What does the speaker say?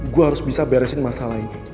gue harus bisa beresin masalah ini